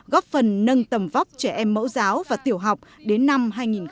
góp phần nâng tầm vóc trẻ em mẫu giáo và tiểu học đến năm hai nghìn hai mươi